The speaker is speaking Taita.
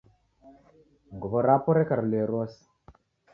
Nguw'o rapo reka rilue rose.